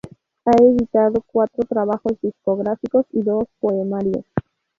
Ha editado cuatro trabajos discográficos y dos poemarios.